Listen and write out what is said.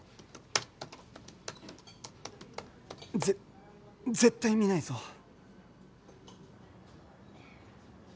ぜ絶対見ないぞ